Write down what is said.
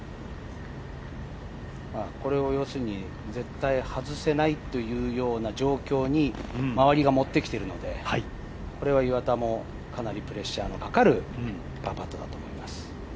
これは要するに絶対外せないというような状況に周りが持ってきているので、これは岩田もかなりプレッシャーのかかるパーパットだと思います。